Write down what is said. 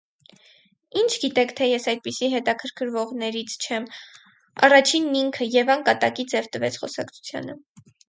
- Ի՞նչ գիտեք, թե ես այդպիսի հետաքրքրվողներից չեմ,- առաջինն ինքը Եվան կատակի ձև տվեց խոսակցությանը: